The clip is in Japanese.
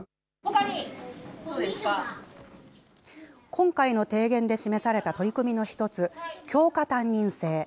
今回の提言で示された取り組みの１つ、教科担任制。